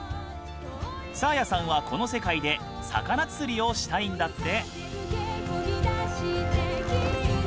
サーヤさんはこの世界で魚釣りをしたいんだって！